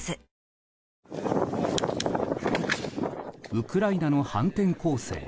ウクライナの反転攻勢。